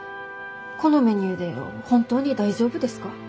このメニューで本当に大丈夫ですか？